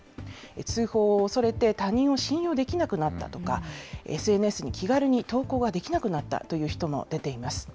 通報を恐れて、他人を信用できなくなったとか、ＳＮＳに気軽に投稿ができなくなったという人も出ています。